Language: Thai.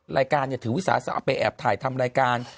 รายการถือวิสาสะไปแอบถ่ายทำรายการ